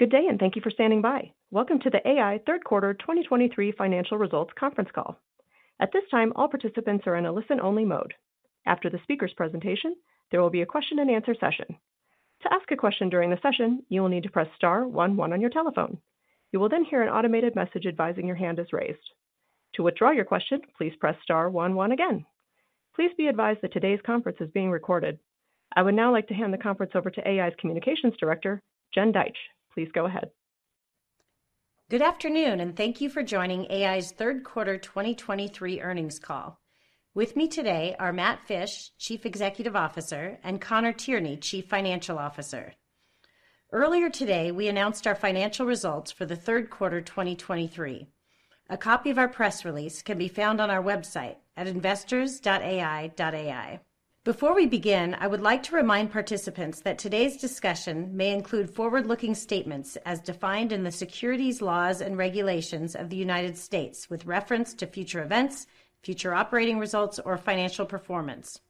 Good day, and thank you for standing by. Welcome to the AEye Third Quarter 2023 Financial Results conference call. At this time, all participants are in a listen-only mode. After the speaker's presentation, there will be a question-and-answer session. To ask a question during the session, you will need to press star one one on your telephone. You will then hear an automated message advising your hand is raised. To withdraw your question, please press star one one again. Please be advised that today's conference is being recorded. I would now like to hand the conference over to AEye's Communications Director, Jen Deitch. Please go ahead. Good afternoon, and thank you for joining AEye's third quarter 2023 earnings call. With me today are Matt Fisch, Chief Executive Officer, and Conor Tierney, Chief Financial Officer. Earlier today, we announced our financial results for the third quarter 2023. A copy of our press release can be found on our website at investors.aeye.ai. Before we begin, I would like to remind participants that today's discussion may include forward-looking statements as defined in the securities laws and regulations of the United States with reference to future events, future operating results, or financial performance.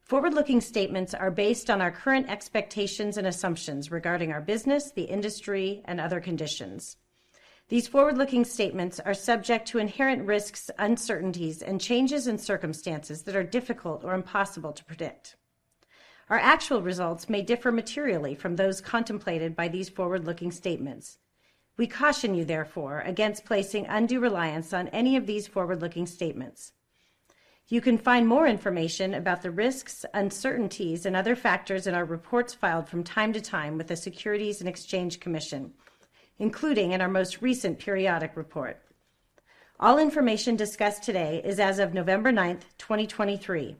Forward-looking statements are based on our current expectations and assumptions regarding our business, the industry, and other conditions. These forward-looking statements are subject to inherent risks, uncertainties, and changes in circumstances that are difficult or impossible to predict. Our actual results may differ materially from those contemplated by these forward-looking statements. We caution you, therefore, against placing undue reliance on any of these forward-looking statements. You can find more information about the risks, uncertainties, and other factors in our reports filed from time to time with the Securities and Exchange Commission, including in our most recent periodic report. All information discussed today is as of November 9, 2023,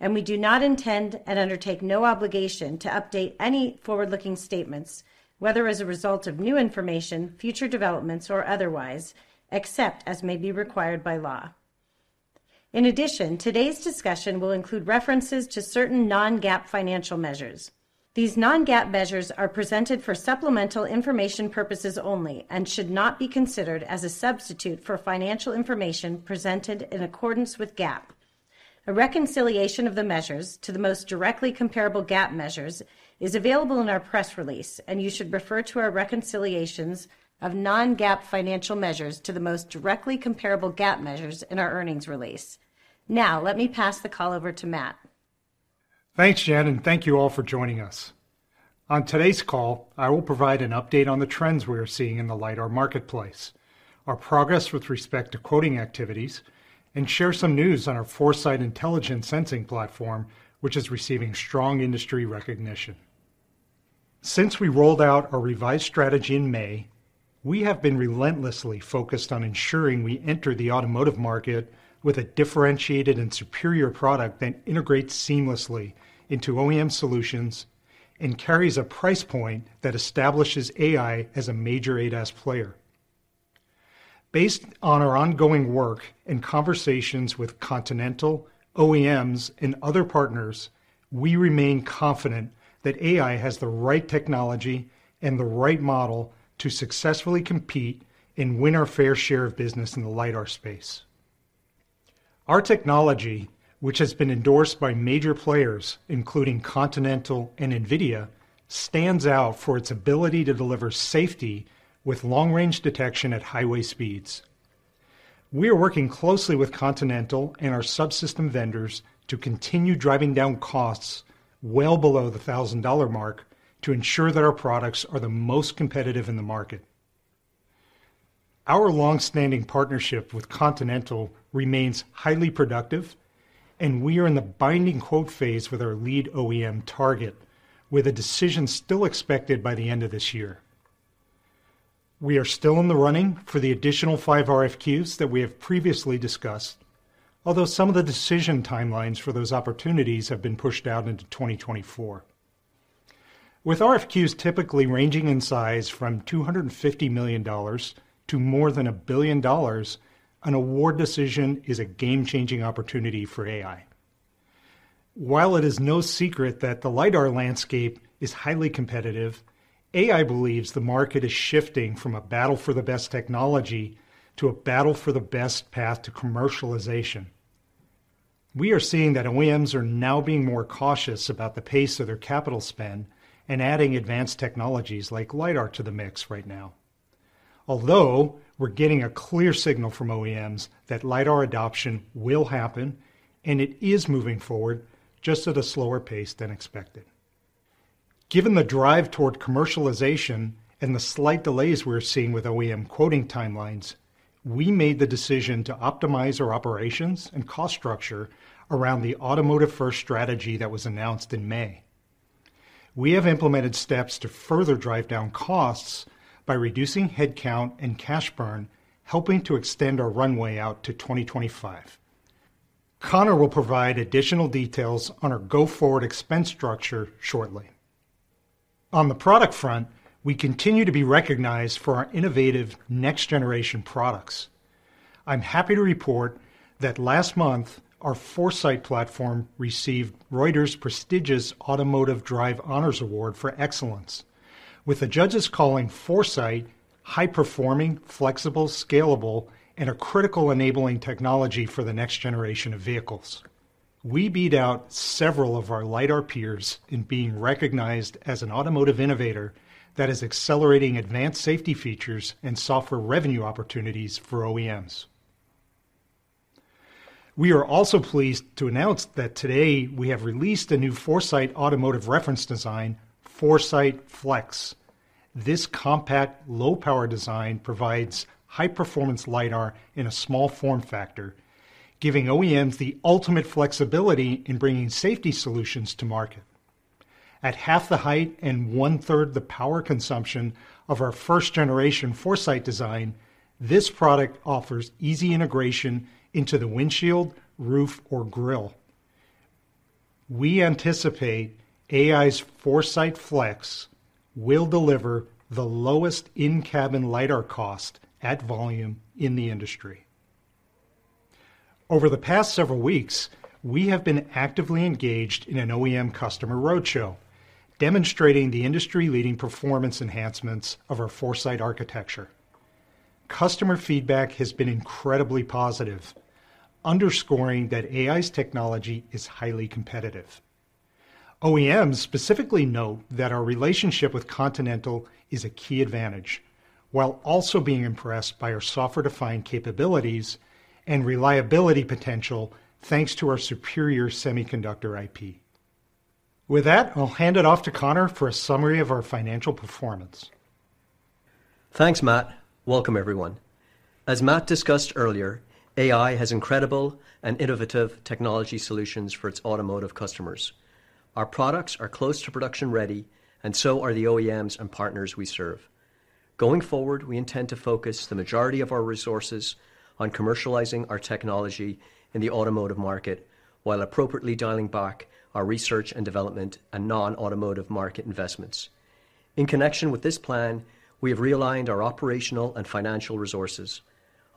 and we do not intend, and undertake no obligation, to update any forward-looking statements, whether as a result of new information, future developments, or otherwise, except as may be required by law. In addition, today's discussion will include references to certain non-GAAP financial measures. These non-GAAP measures are presented for supplemental information purposes only and should not be considered as a substitute for financial information presented in accordance with GAAP. A reconciliation of the measures to the most directly comparable GAAP measures is available in our press release, and you should refer to our reconciliations of non-GAAP financial measures to the most directly comparable GAAP measures in our earnings release. Now, let me pass the call over to Matt. Thanks, Jen, and thank you all for joining us. On today's call, I will provide an update on the trends we are seeing in the LiDAR marketplace, our progress with respect to quoting activities, and share some news on our 4Sight Intelligent Sensing Platform, which is receiving strong industry recognition. Since we rolled out our revised strategy in May, we have been relentlessly focused on ensuring we enter the automotive market with a differentiated and superior product that integrates seamlessly into OEM solutions and carries a price point that establishes AEye as a major ADAS player. Based on our ongoing work and conversations with Continental, OEMs, and other partners, we remain confident that AEye has the right technology and the right model to successfully compete and win our fair share of business in the LiDAR space. Our technology, which has been endorsed by major players, including Continental and NVIDIA, stands out for its ability to deliver safety with long-range detection at highway speeds. We are working closely with Continental and our subsystem vendors to continue driving down costs well below the $1,000 mark to ensure that our products are the most competitive in the market. Our long-standing partnership with Continental remains highly productive, and we are in the binding quote phase with our lead OEM target, with a decision still expected by the end of this year. We are still in the running for the additional 5 RFQs that we have previously discussed, although some of the decision timelines for those opportunities have been pushed out into 2024. With RFQs typically ranging in size from $250 million to more than $1 billion, an award decision is a game-changing opportunity for AEye. While it is no secret that the LiDAR landscape is highly competitive, AEye believes the market is shifting from a battle for the best technology to a battle for the best path to commercialization. We are seeing that OEMs are now being more cautious about the pace of their capital spend and adding advanced technologies like LiDAR to the mix right now. Although, we're getting a clear signal from OEMs that LiDAR adoption will happen, and it is moving forward, just at a slower pace than expected. Given the drive toward commercialization and the slight delays we're seeing with OEM quoting timelines, we made the decision to optimize our operations and cost structure around the automotive-first strategy that was announced in May. We have implemented steps to further drive down costs by reducing headcount and cash burn, helping to extend our runway out to 2025. Conor will provide additional details on our go-forward expense structure shortly. On the product front, we continue to be recognized for our innovative next-generation products. I'm happy to report that last month, our Foresight platform received Reuters' prestigious Automotive D.R.I.V.E. Honors Award for Excellence, with the judges calling Foresight high-performing, flexible, scalable, and a critical enabling technology for the next generation of vehicles. We beat out several of our LiDAR peers in being recognized as an automotive innovator that is accelerating advanced safety features and software revenue opportunities for OEMs. We are also pleased to announce that today we have released a new Foresight automotive reference design, 4Sight Flex. This compact, low-power design provides high-performance LiDAR in a small form factor, giving OEMs the ultimate flexibility in bringing safety solutions to market. At half the height and one-third the power consumption of our first-generation Foresight design, this product offers easy integration into the windshield, roof, or grille. We anticipate AEye's 4Sight Flex will deliver the lowest in-cabin LiDAR cost at volume in the industry. Over the past several weeks, we have been actively engaged in an OEM customer roadshow, demonstrating the industry-leading performance enhancements of our Foresight architecture. Customer feedback has been incredibly positive, underscoring that AEye's technology is highly competitive. OEMs specifically note that our relationship with Continental is a key advantage, while also being impressed by our software-defined capabilities and reliability potential, thanks to our superior semiconductor IP. With that, I'll hand it off to Conor for a summary of our financial performance. Thanks, Matt. Welcome, everyone. As Matt discussed earlier, AEye has incredible and innovative technology solutions for its automotive customers. Our products are close to production-ready, and so are the OEMs and partners we serve. Going forward, we intend to focus the majority of our resources on commercializing our technology in the automotive market, while appropriately dialing back our research and development and non-automotive market investments. In connection with this plan, we have realigned our operational and financial resources.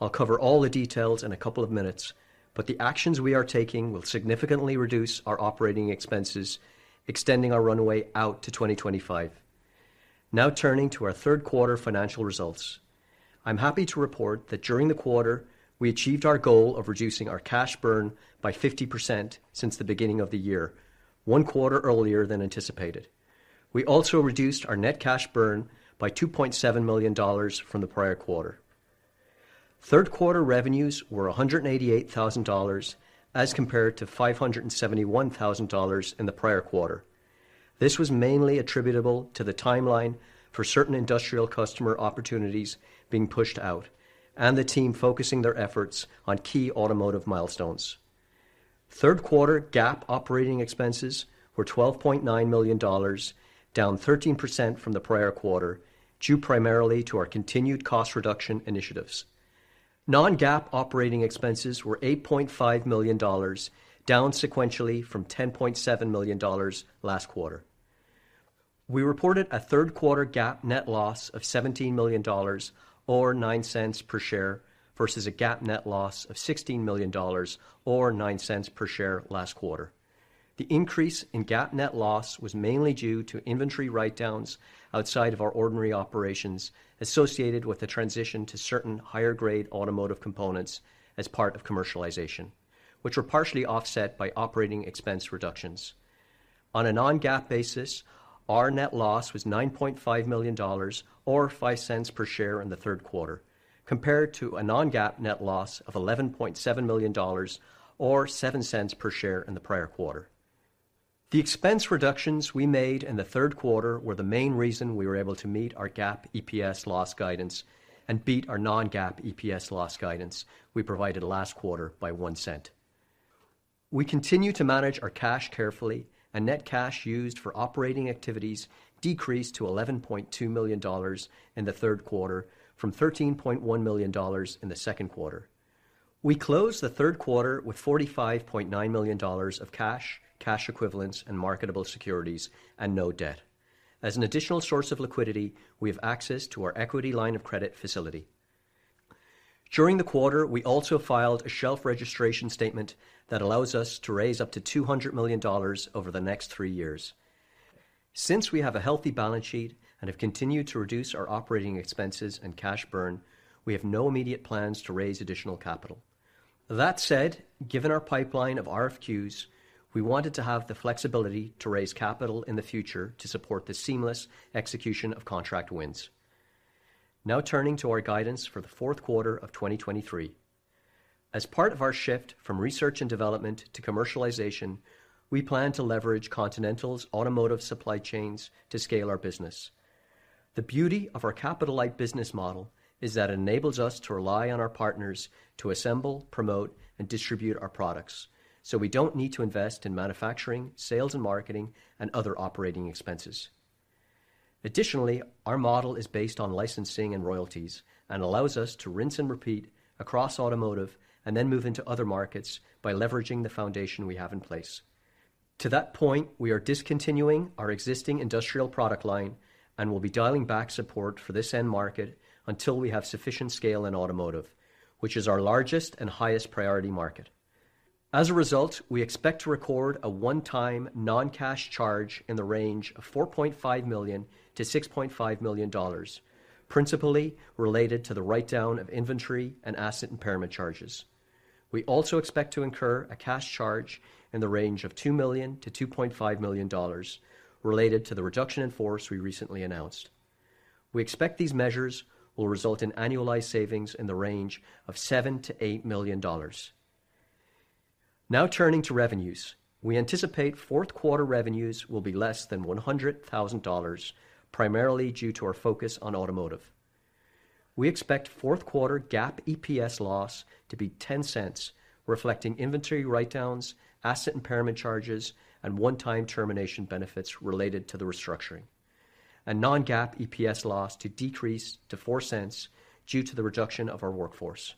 I'll cover all the details in a couple of minutes, but the actions we are taking will significantly reduce our operating expenses, extending our runway out to 2025. Now turning to our third quarter financial results. I'm happy to report that during the quarter, we achieved our goal of reducing our cash burn by 50% since the beginning of the year, one quarter earlier than anticipated. We also reduced our net cash burn by $2.7 million from the prior quarter. Third-quarter revenues were $188,000, as compared to $571,000 in the prior quarter. This was mainly attributable to the timeline for certain industrial customer opportunities being pushed out and the team focusing their efforts on key automotive milestones. Third quarter GAAP operating expenses were $12.9 million, down 13% from the prior quarter, due primarily to our continued cost reduction initiatives. Non-GAAP operating expenses were $8.5 million, down sequentially from $10.7 million last quarter. We reported a third quarter GAAP net loss of $17 million or $0.09 per share, versus a GAAP net loss of $16 million or $0.09 per share last quarter. The increase in GAAP net loss was mainly due to inventory write-downs outside of our ordinary operations associated with the transition to certain higher-grade automotive components as part of commercialization, which were partially offset by operating expense reductions. On a non-GAAP basis, our net loss was $9.5 million, or $0.05 per share in the third quarter, compared to a non-GAAP net loss of $11.7 million, or $0.07 per share in the prior quarter. The expense reductions we made in the third quarter were the main reason we were able to meet our GAAP EPS loss guidance and beat our non-GAAP EPS loss guidance we provided last quarter by 1 cent. We continue to manage our cash carefully, and net cash used for operating activities decreased to $11.2 million in the third quarter from $13.1 million in the second quarter. We closed the third quarter with $45.9 million of cash, cash equivalents, and marketable securities, and no debt. As an additional source of liquidity, we have access to our equity line of credit facility. During the quarter, we also filed a shelf registration statement that allows us to raise up to $200 million over the next three years. Since we have a healthy balance sheet and have continued to reduce our operating expenses and cash burn, we have no immediate plans to raise additional capital. That said, given our pipeline of RFQs, we wanted to have the flexibility to raise capital in the future to support the seamless execution of contract wins. Now turning to our guidance for the fourth quarter of 2023. As part of our shift from research and development to commercialization, we plan to leverage Continental's automotive supply chains to scale our business. The beauty of our capital-light business model is that it enables us to rely on our partners to assemble, promote, and distribute our products, so we don't need to invest in manufacturing, sales and marketing, and other operating expenses. Additionally, our model is based on licensing and royalties and allows us to rinse and repeat across automotive and then move into other markets by leveraging the foundation we have in place. To that point, we are discontinuing our existing industrial product line and will be dialing back support for this end market until we have sufficient scale in automotive, which is our largest and highest priority market. As a result, we expect to record a one-time non-cash charge in the range of $4.5 million–$6.5 million, principally related to the write-down of inventory and asset impairment charges. We also expect to incur a cash charge in the range of $2 million–$2.5 million related to the reduction in force we recently announced. We expect these measures will result in annualized savings in the range of $7 million–$8 million. Now, turning to revenues. We anticipate fourth quarter revenues will be less than $100,000, primarily due to our focus on automotive. We expect fourth quarter GAAP EPS loss to be $0.10, reflecting inventory write-downs, asset impairment charges, and one-time termination benefits related to the restructuring. Non-GAAP EPS loss to decrease to $0.04 due to the reduction of our workforce.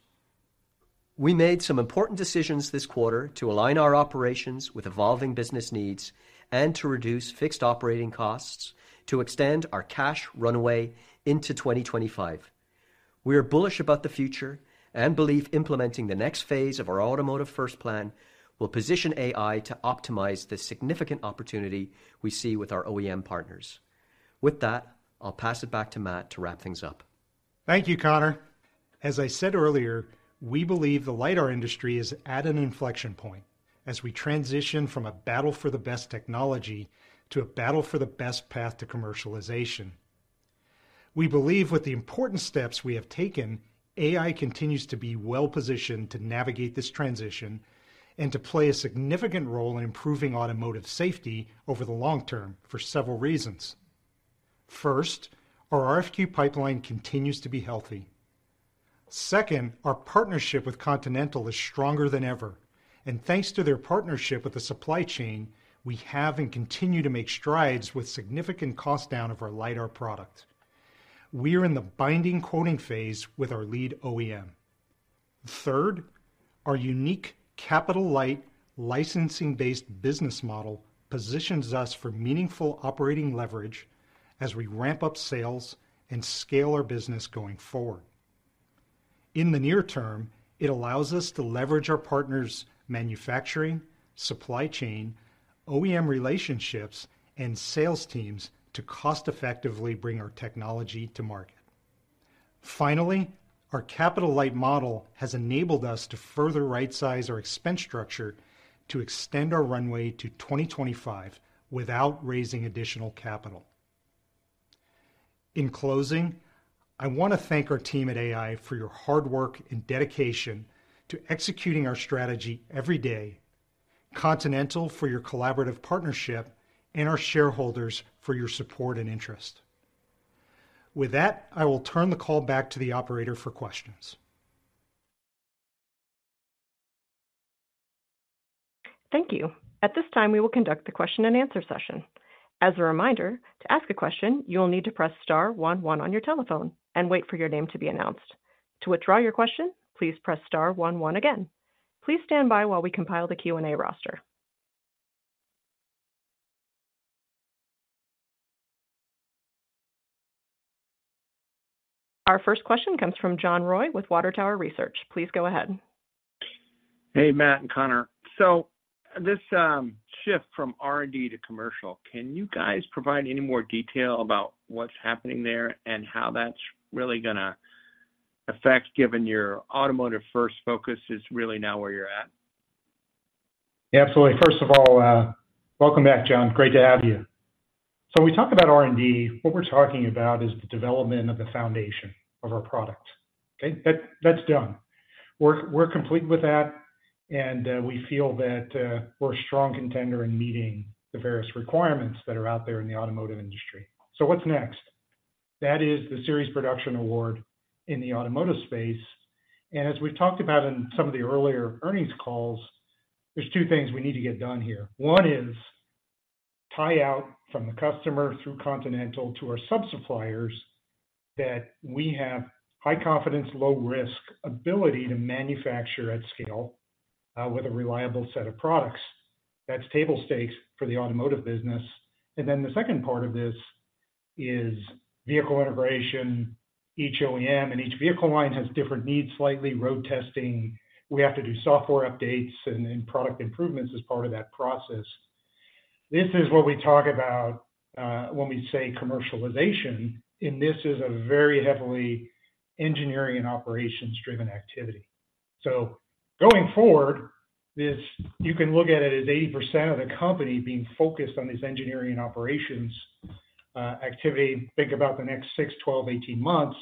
We made some important decisions this quarter to align our operations with evolving business needs and to reduce fixed operating costs to extend our cash runway into 2025. We are bullish about the future and believe implementing the next phase of our Automotive First plan will position AEye to optimize the significant opportunity we see with our OEM partners. With that, I'll pass it back to Matt to wrap things up. Thank you, Conor. As I said earlier, we believe the LiDAR industry is at an inflection point as we transition from a battle for the best technology to a battle for the best path to commercialization. We believe with the important steps we have taken, AEye continues to be well positioned to navigate this transition and to play a significant role in improving automotive safety over the long term for several reasons. First, our RFQ pipeline continues to be healthy. Second, our partnership with Continental is stronger than ever, and thanks to their partnership with the supply chain, we have and continue to make strides with significant cost down of our LiDAR product. We are in the binding quote phase with our lead OEM. Third, our unique capital-light, licensing-based business model positions us for meaningful operating leverage as we ramp up sales and scale our business going forward. In the near term, it allows us to leverage our partners' manufacturing, supply chain, OEM relationships, and sales teams to cost-effectively bring our technology to market. Finally, our capital-light model has enabled us to further rightsize our expense structure to extend our runway to 2025 without raising additional capital. In closing, I want to thank our team at AEye for your hard work and dedication to executing our strategy every day, Continental for your collaborative partnership, and our shareholders for your support and interest. With that, I will turn the call back to the operator for questions. Thank you. At this time, we will conduct the question-and-answer session. As a reminder, to ask a question, you will need to press star one, one on your telephone and wait for your name to be announced. To withdraw your question, please press star one, one again. Please stand by while we compile the Q&A roster. Our first question comes from John Roy with Water Tower Research. Please go ahead. Hey, Matt and Conor. So this shift from R&D to commercial, can you guys provide any more detail about what's happening there and how that's really gonna affect, given your Automotive First focus is really now where you're at? Absolutely. First of all, welcome back, John. Great to have you. So when we talk about R&D, what we're talking about is the development of the foundation of our product, okay? That's done. We're complete with that, and we feel that we're a strong contender in meeting the various requirements that are out there in the automotive industry. So what's next? That is the series production award in the automotive space. And as we've talked about in some of the earlier earnings calls, there's two things we need to get done here. One is tie out from the customer through Continental to our sub-suppliers, that we have high confidence, low risk ability to manufacture at scale, with a reliable set of products. That's table stakes for the automotive business. And then the second part of this is vehicle integration. Each OEM and each vehicle line has different needs, slightly road testing. We have to do software updates and product improvements as part of that process. This is what we talk about when we say commercialization, and this is a very heavily engineering and operations-driven activity. So going forward, this, you can look at it as 80% of the company being focused on this engineering and operations activity. Think about the next 6, 12, 18 months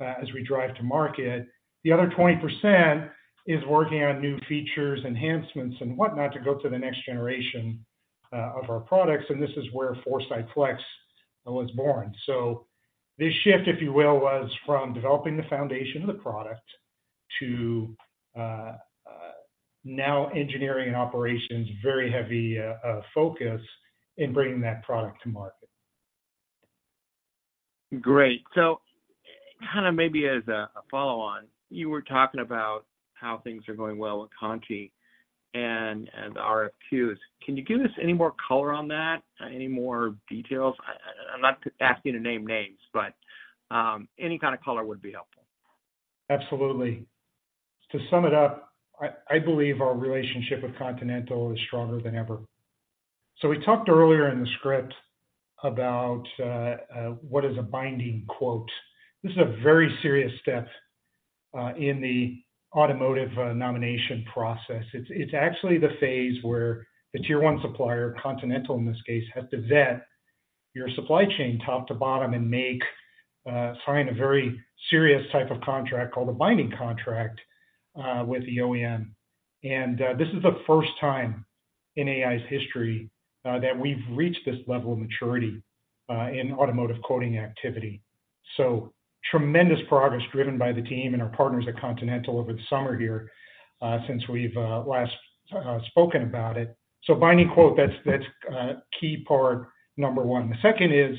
as we drive to market. The other 20% is working on new features, enhancements, and whatnot to go to the next generation of our products, and this is where 4Sight Flex was born. So this shift, if you will, was from developing the foundation of the product to now engineering and operations, very heavy focus in bringing that product to market. Great! So kind of maybe as a follow-on, you were talking about how things are going well with Conti and the RFQs. Can you give us any more color on that, any more details? I'm not asking you to name names, but any kind of color would be helpful. Absolutely. To sum it up, I believe our relationship with Continental is stronger than ever.... So we talked earlier in the script about what is a binding quote. This is a very serious step in the automotive nomination process. It's actually the phase where the Tier 1 supplier, Continental in this case, has to vet your supply chain top to bottom and sign a very serious type of contract called a binding contract with the OEM. And this is the first time in AEye's history that we've reached this level of maturity in automotive quoting activity. So tremendous progress driven by the team and our partners at Continental over the summer here since we've last spoken about it. So binding quote, that's key part number one. The second is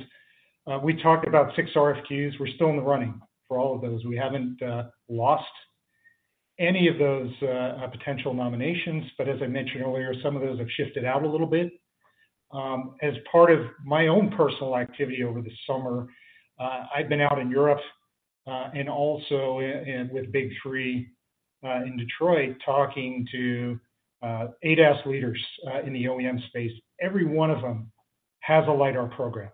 we talked about six RFQs. We're still in the running for all of those. We haven't lost any of those potential nominations, but as I mentioned earlier, some of those have shifted out a little bit. As part of my own personal activity over the summer, I've been out in Europe, and also with Big Three in Detroit, talking to ADAS leaders in the OEM space. Every one of them has a LiDAR program,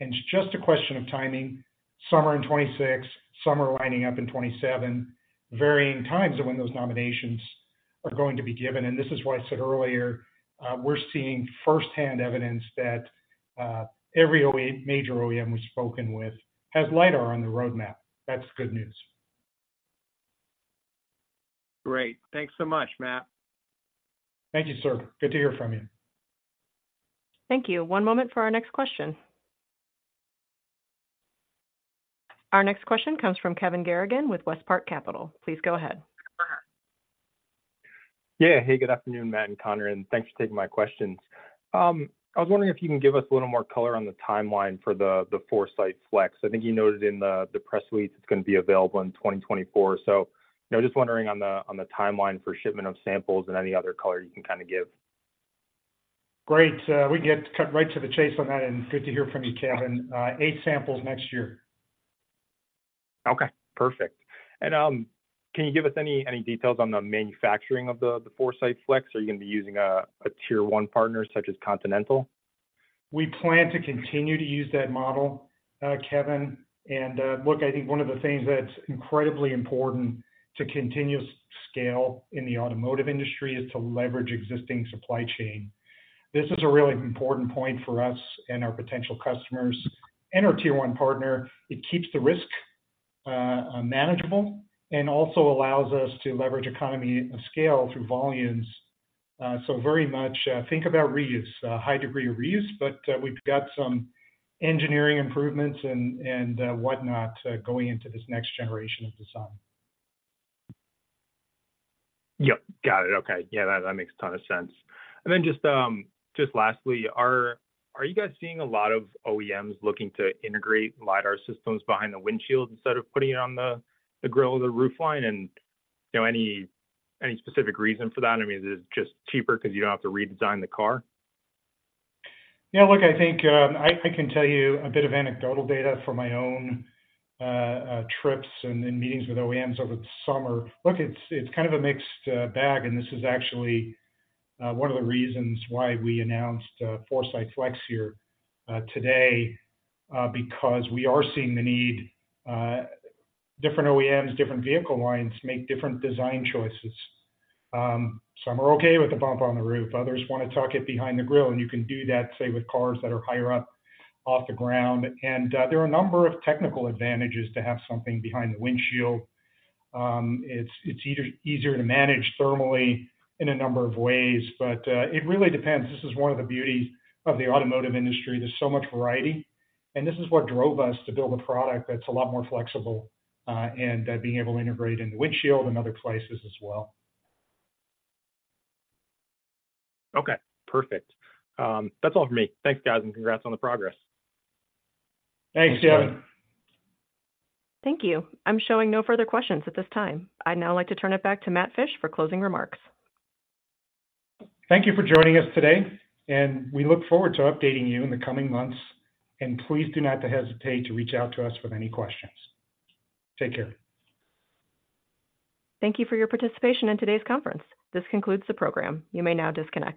and it's just a question of timing. Some are in 2026, some are lining up in 2027. Varying times of when those nominations are going to be given, and this is why I said earlier, we're seeing first-hand evidence that every major OEM we've spoken with has LiDAR on the roadmap. That's good news. Great. Thanks so much, Matt. Thank you, sir. Good to hear from you. Thank you. One moment for our next question. Our next question comes from Kevin Garrigan with WestPark Capital. Please go ahead. Yeah. Hey, good afternoon, Matt and Conor, and thanks for taking my questions. I was wondering if you can give us a little more color on the timeline for the 4Sight Flex. I think you noted in the press release it's gonna be available in 2024. So, you know, just wondering on the timeline for shipment of samples and any other color you can kinda give. Great. We can cut right to the chase on that, and good to hear from you, Kevin. B-samples next year. Okay, perfect. And, can you give us any details on the manufacturing of the 4Sight Flex? Are you gonna be using a Tier 1 partner such as Continental? We plan to continue to use that model, Kevin. Look, I think one of the things that's incredibly important to continue to scale in the automotive industry is to leverage existing supply chain. This is a really important point for us and our potential customers and our Tier 1 partner. It keeps the risk manageable and also allows us to leverage economy and scale through volumes. So very much think about reuse, a high degree of reuse, but we've got some engineering improvements and whatnot going into this next generation of design. Yep, got it. Okay. Yeah, that makes a ton of sense. And then just, just lastly, are you guys seeing a lot of OEMs looking to integrate LiDAR systems behind the windshield instead of putting it on the grille or the roofline? And, you know, any specific reason for that? I mean, is it just cheaper because you don't have to redesign the car? Yeah, look, I think, I can tell you a bit of anecdotal data from my own trips and meetings with OEMs over the summer. Look, it's kind of a mixed bag, and this is actually one of the reasons why we announced 4Sight Flex here today because we are seeing the need. Different OEMs, different vehicle lines make different design choices. Some are okay with the bump on the roof, others want to tuck it behind the grille, and you can do that, say, with cars that are higher up off the ground. And there are a number of technical advantages to have something behind the windshield. It's easier to manage thermally in a number of ways, but it really depends. This is one of the beauties of the automotive industry. There's so much variety, and this is what drove us to build a product that's a lot more flexible, and being able to integrate in the windshield and other places as well. Okay, perfect. That's all for me. Thanks, guys, and congrats on the progress. Thanks, Kevin. Thank you. I'm showing no further questions at this time. I'd now like to turn it back to Matt Fisch for closing remarks. Thank you for joining us today, and we look forward to updating you in the coming months. Please do not hesitate to reach out to us with any questions. Take care. Thank you for your participation in today's conference. This concludes the program. You may now disconnect.